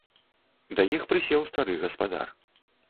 Да іх прысеў стары гаспадар.